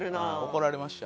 怒られました。